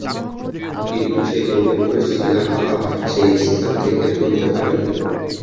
কিন্তু সেই পবিত্র শিলা আর সেই স্থান থেকে তুলতে পারেনি!